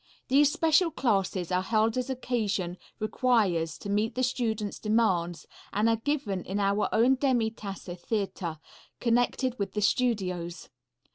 These special classes are held as occasion requires to meet the students' demands, and are given in our own Demi Tasse Theatre, connected with the studios.